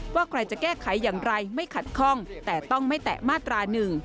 ว่าใครจะแก้ไขอย่างไรไม่ขัดข้องแต่ต้องไม่แตะมาตรา๑